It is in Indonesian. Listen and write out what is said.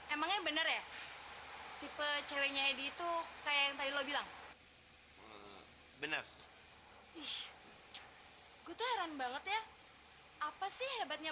emangnya bener ya tipe ceweknya itu kayak tadi lo bilang bener bener banget ya apa sih hebatnya